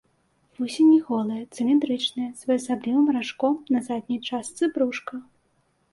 Вусені голыя, цыліндрычныя, з своеасаблівым ражком на задняй частцы брушка.